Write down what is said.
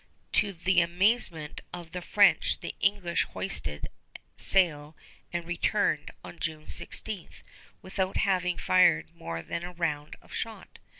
To the amazement of the French the English hoisted sail and returned, on June 16, without having fired more than a round of shot.